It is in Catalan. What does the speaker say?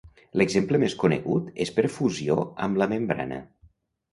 L'exemple més conegut és per fusió amb la membrana.